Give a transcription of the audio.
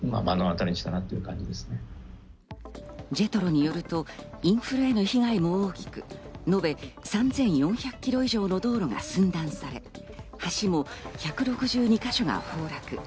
ＪＥＴＲＯによると、インフラにも被害が大きく、のべ３４００キロ以上の道路が寸断され、橋も１６２か所が崩落。